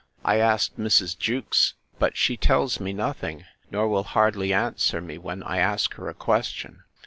I asked Mrs. Jewkes; but she tells me nothing, nor will hardly answer me when I ask her a question.